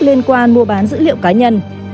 liên quan mua bán dữ liệu cá nhân